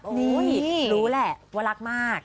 นี่รู้แหละว่ารักมาก